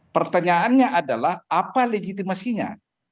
pertanyaannya adalah apa legitimasinya